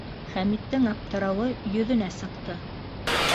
Хәмиттең аптырауы йөҙөнә сыҡты: